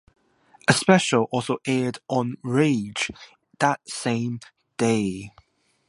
A special also aired on "Rage" that same day.